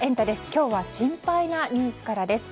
今日は心配なニュースからです。